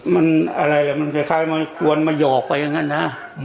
มันอะไรมันคล้ายมากวนมาหยอกไปอย่างนั้นนะ